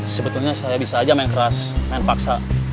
sebetulnya saya bisa aja main keras main paksa